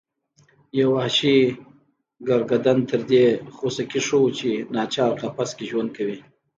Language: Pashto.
یو وحشي ګرګدن تر دې خوسکي ښه و چې ناچار قفس کې ژوند کوي.